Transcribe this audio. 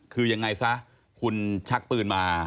คือยังไงซะคุณชักปืนมา